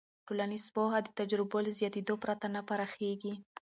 ټولنیز پوهه د تجربو له زیاتېدو پرته نه پراخېږي.